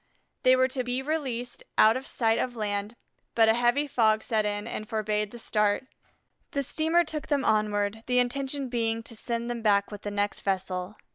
They were to be released out of sight of land, but a heavy fog set in and forbade the start. The steamer took them onward, the intention being to send them back with the next vessel.